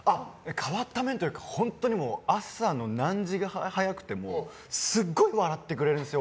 変わった面というか本当に朝の何時で、早くてもすっごく笑ってくれるんですよ。